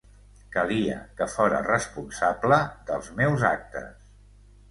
Calia que fóra responsable dels meus actes.